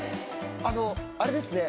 あのあれですね。